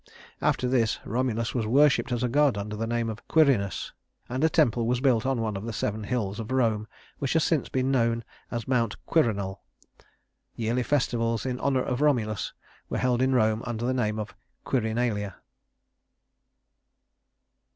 After this Romulus was worshiped as a god under the name of Quirinus, and a temple was built on one of the seven hills of Rome, which has since been known as Mount Quirinal. Yearly festivals in honor of Romulus were held in Rome under the name of Quirinalia.